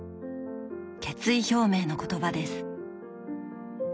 決意表明の言葉です。